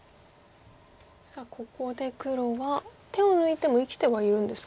さあここで黒は手を抜いても生きてはいるんですか？